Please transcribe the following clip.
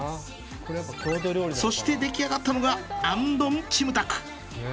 そしてできあがったのがアンドンチムタク。